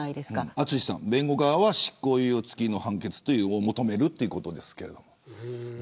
淳さん弁護側は執行猶予付きの判決を求めるということです。